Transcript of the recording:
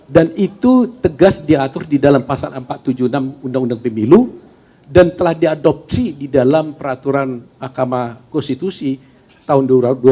dan itu tegas diatur di dalam pasal empat ratus tujuh puluh enam undang undang pemilu dan telah diadopsi di dalam peraturan akama konstitusi tahun dua ribu dua puluh tiga